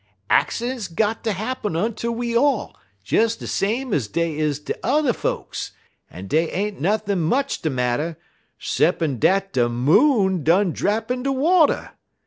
'Accidents got ter happen unter we all, des same ez dey is unter yuther folks; en dey ain't nuthin' much de marter, 'ceppin' dat de Moon done drap in de water.